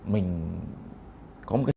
mình có một cái